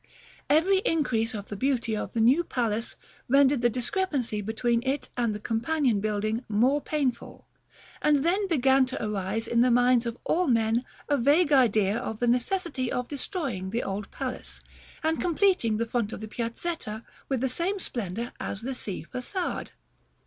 Every increase of the beauty of the new palace rendered the discrepancy between it and the companion building more painful; and then began to arise in the minds of all men a vague idea of the necessity of destroying the old palace, and completing the front of the Piazzetta with the same splendor as the Sea Façade.